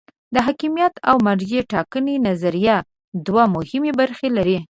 د حاکمیت او مرجع ټاکنې نظریه دوه مهمې برخې لري.